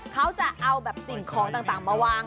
เขาจะเอาแบบสิ่งของต่างมาวาง